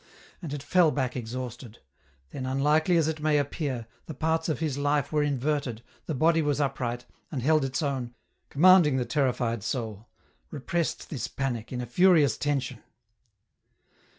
And it fell back exhausted ; then unlikely as it may appear, the parts of his life were inverted, the body was upright, and held its own, commanding the terrified soul, repressed this panic in a furious tension.